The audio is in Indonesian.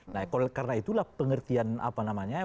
nah karena itulah pengertian apa namanya